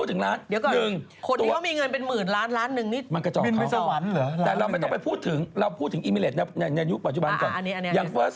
แต่เราไม่ต้องไปพูดถึงพูดถึงอิมิเลสในปัจจุบันก่อน